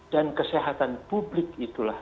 dan kesehatan publik itulah